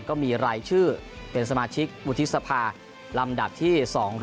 ก็มีรายชื่อเป็นสมาชิกวุฒิสภาลำดับที่๒๐